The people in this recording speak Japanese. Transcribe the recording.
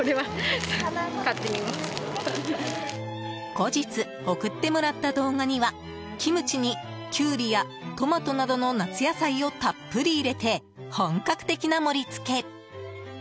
後日、送ってもらった動画にはキムチにキュウリやトマトなどの夏野菜をたっぷり入れて本格的な盛りつけ。